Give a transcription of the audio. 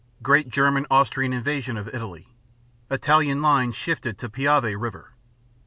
Great German Austrian invasion of Italy. Italian line shifted Dec to Piave River.